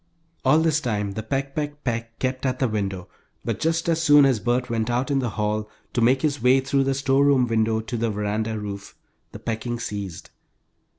All this time the "peck peck peck" kept at the window, but just as soon as Bert went out in the hall to make his way through the storeroom window to the veranda roof, the pecking ceased.